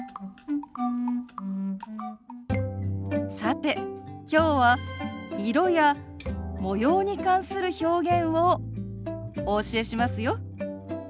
さてきょうは色や模様に関する表現をお教えしますよ。